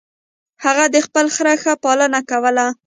هغه د خپل خر ښه پالنه کوله.